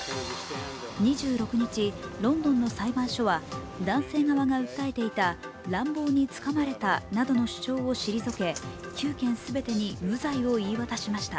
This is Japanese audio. ２６日、ロンドンの裁判所は男性側が訴えていた乱暴に捕まれたなどの主張を退け９件全てに無罪を言い渡しました。